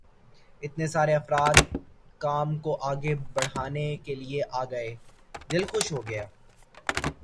اتنے سارے افراد کام کو آگے بڑھانے کے لیے آ گئے، دل خوش ہو گیا۔